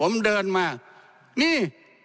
มันเดินมานี่